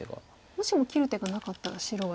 もしも切る手がなかったら白はどの辺りに。